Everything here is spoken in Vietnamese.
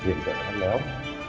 điện tượng rất là lớn